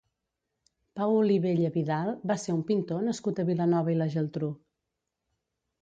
Pau Olivella Vidal va ser un pintor nascut a Vilanova i la Geltrú.